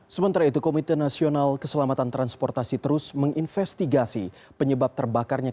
sementara itu komite nasional keselamatan transportasi terus menginvestigasi penyebab terbakarnya km zahro express